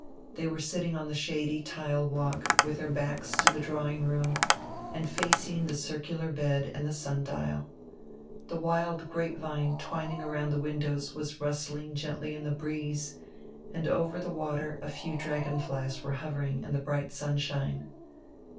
They were sitting on die shady tile walk, with their backs to die drawing room and facing die circular bed and die sundial. The wild grapevine twining around die windows was rusding gendy in die breeze and over die water a few dragon dies were hovering in die bright sunshine.